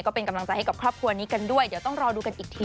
ก็เป็นกำลังใจให้กับครอบครัวนี้กันด้วยเดี๋ยวต้องรอดูกันอีกที